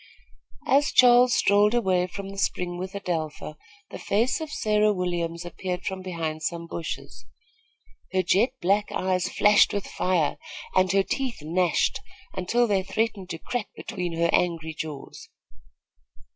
As Charles strolled away from the spring with Adelpha, the face of Sarah Williams appeared from behind some bushes. Her jet black eyes flashed with fire, and her teeth gnashed until they threatened to crack between her angry jaws.